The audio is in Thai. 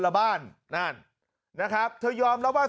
การนอนไม่จำเป็นต้องมีอะไรกัน